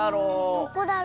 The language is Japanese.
どこだろ？